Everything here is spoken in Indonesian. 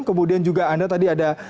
kemudian juga anda tadi ada